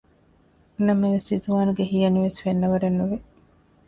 ނަމަވެސް އިޒުވާނުގެ ހިޔަނިވެސް ފެންނަވަރެއް ނުވި